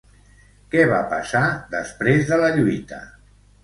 Què va passar després de la lluita?